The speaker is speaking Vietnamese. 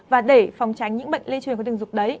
và để phòng tránh những bệnh lây truyền qua đường tình dục đấy